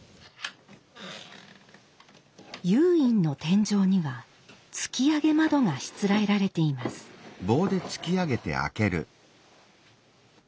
又隠の天井には突き上げ窓がしつらえられています。